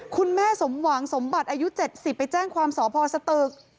คุณแม่สมหวังสมบัติอายุ๗๐ไปแจ้งความสพสตึก